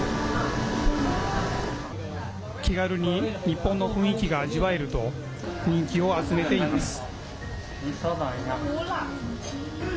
気軽に日本の雰囲気が味わえると人気を集めています。